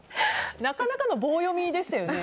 なかなかの棒読みでしたよね。